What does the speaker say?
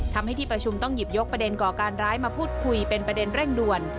ที่ประชุมต้องหยิบยกประเด็นก่อการร้ายมาพูดคุยเป็นประเด็นเร่งด่วน